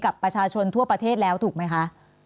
กับประชาชนทั่วประเทศแล้วถูกไหมคะ